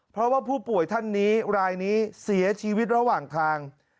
เพราะว่าผู้ป่วยท่านนี้รายนี้เสียชีวิตระหว่างทาง